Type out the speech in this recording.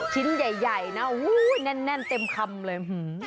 ชิ้นใหญ่นะแน่นเต็มคำเลย